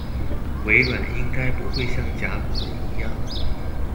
微軟應該不會像甲骨文一樣